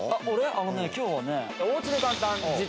あのね今日はね。